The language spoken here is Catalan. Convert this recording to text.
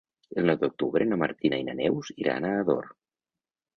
El nou d'octubre na Martina i na Neus iran a Ador.